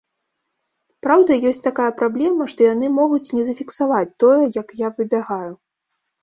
Праўда, ёсць такая праблема, што яны могуць не зафіксаваць тое, як я выбягаю.